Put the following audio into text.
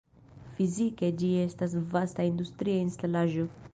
Fizike ĝi estas vasta industria instalaĵo.